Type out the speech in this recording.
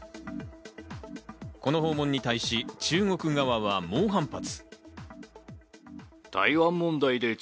この訪問に対し、中国側は猛反発。